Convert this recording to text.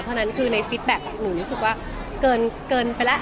เพราะฉะนั้นคือในฟิตแบ็คหนูรู้สึกว่าเกินไปแล้ว